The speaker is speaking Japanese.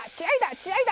血合いだ！